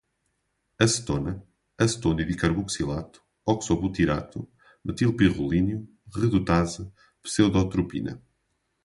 acetona, acetonedicarboxilato, oxobutirato, metilpirrolínio, redutase, pseudotropina